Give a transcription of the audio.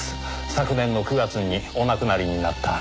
昨年の９月にお亡くなりになった。